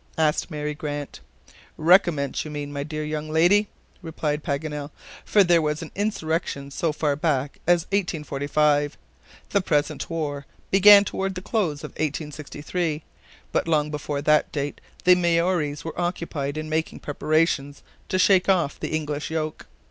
asked Mary Grant. "Recommence, you mean, my dear young lady," replied Paganel; "for there was an insurrection so far back as 1845. The present war began toward the close of 1863; but long before that date the Maories were occupied in making preparations to shake off the English yoke.